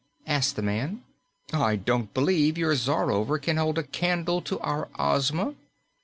asked the man. "I don't believe your Czarover can hold a candle to our Ozma."